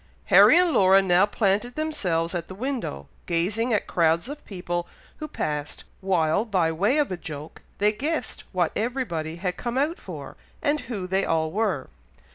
Harry and Laura now planted themselves at the window, gazing at crowds of people who passed, while, by way of a joke, they guessed what everybody had come out for, and who they all were.